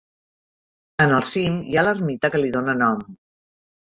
En el cim hi ha l'ermita que li dóna nom.